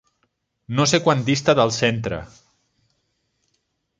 No sé quant dista del centre.